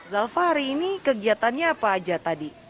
zalfa hari ini kegiatannya apa aja tadi